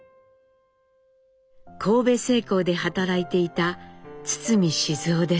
神戸製鋼で働いていた堤雄です。